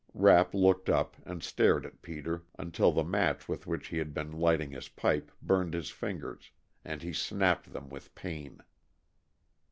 Rapp looked up, and stared at Peter until the match with which he had been lighting his pipe burned his fingers, and he snapped them with pain.